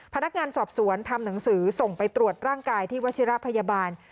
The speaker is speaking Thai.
พนักงานสอบสวนทำหนังสือส่งไปตรวจร่างกายที่วัชิระพยาบาล